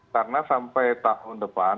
karena sampai tahun depan